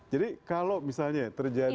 jadi kalau misalnya terjadi